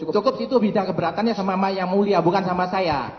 cukup sih itu bidang keberatannya sama yang mulia bukan sama saya